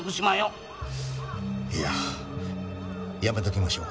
いややめときましょう。